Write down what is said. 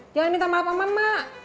jangan ditambah apa apa mak